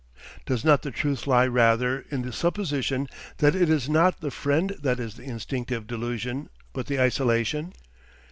Does not the truth lie rather in the supposition that it is not the Friend that is the instinctive delusion but the isolation?